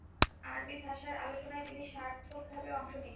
আরবী ভাষার আলোচনায় তিনি সার্থকভাবে অংশ নিতেন।